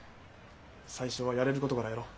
最初はやれることからやろう。